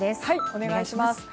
お願いします。